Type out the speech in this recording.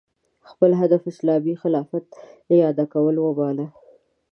خپل هدف اسلامي خلافت اعاده کول وباله